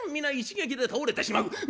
皆一撃で倒れてしまう。